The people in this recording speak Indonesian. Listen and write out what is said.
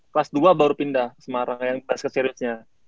kelas dua baru pindah semarang yang basket seriesnya